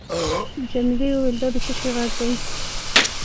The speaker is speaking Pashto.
جميلې وويل:: دا د څه شي ږغ دی؟